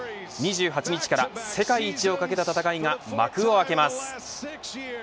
２８日から世界一を懸けた戦いが幕を開けます。